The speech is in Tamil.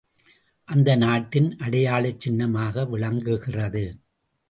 அது அந்த நாட்டின் அடையாளச் சின்னமாக விளங்குகிறது.